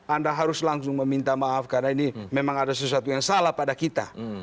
anda harus langsung meminta maaf karena ini memang ada sesuatu yang salah pada kita